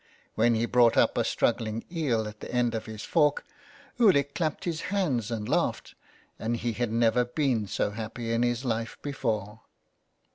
When he brought up a struggling eel at the 284 so ON HE FARES. end of the fork Ulick clapped his hands and laughed, and he had never been so happy in his life before.